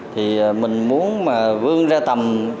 thì mình muốn mà vương ra tầm